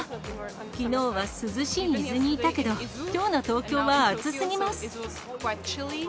きのうは涼しい伊豆にいたけど、きょうの東京は暑すぎます。